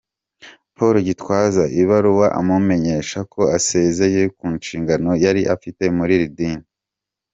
Paul Gitwaza ibaruwa amumenyesha ko asezeye ku nshingano yari afite muri iri dini.